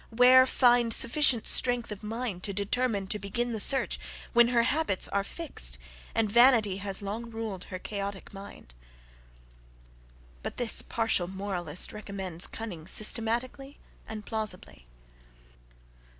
where find sufficient strength of mind to determine to begin the search, when her habits are fixed, and vanity has long ruled her chaotic mind? But this partial moralist recommends cunning systematically and plausibly.